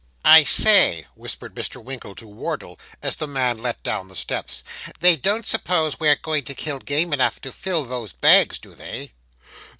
'I say,' whispered Mr. Winkle to Wardle, as the man let down the steps, 'they don't suppose we're going to kill game enough to fill those bags, do they?